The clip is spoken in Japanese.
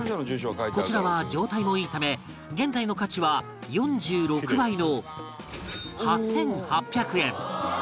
こちらは状態もいいため現在の価値は４６倍の